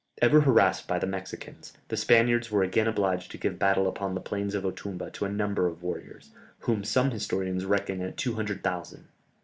Ever harassed by the Mexicans, the Spaniards were again obliged to give battle upon the plains of Otumba to a number of warriors, whom some historians reckon at two hundred thousand.